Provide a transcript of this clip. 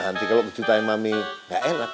nanti kalau kejutannya mami gak enak